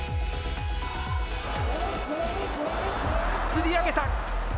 つり上げた。